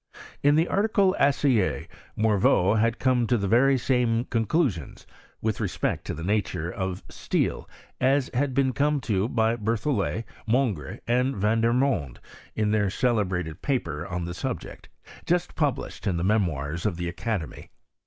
In the article Aciery Morveau had come to the very same conclusions, with respect to the nature of steel, as had been come to by BerthoUet, Monge, and Vandermonde, in their celebrated paper on the subject, just published in the Memoirs of the Aca demy.